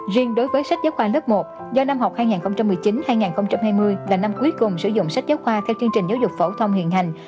riêng đối với sách giáo khoa lớp một do năm học hai nghìn một mươi chín hai nghìn hai mươi là năm cuối cùng sử dụng sách giáo khoa theo chương trình giáo dục phổ thông hiện hành